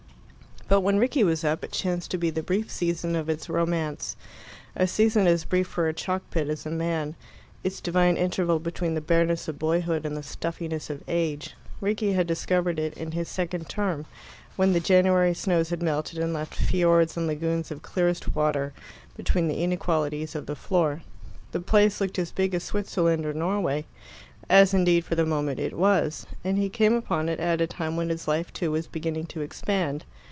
But when Rickie was up, it chanced to be the brief season of its romance, a season as brief for a chalk pit as a man its divine interval between the bareness of boyhood and the stuffiness of age. Rickie had discovered it in his second term, when the January snows had melted and left fiords and lagoons of clearest water between the inequalities of the floor. The place looked as big as Switzerland or Norway as indeed for the moment it was and he came upon it at a time when his life too was beginning to expand.